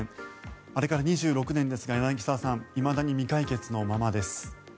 あれから２６年ですが、柳澤さんいまだに未解決のままです。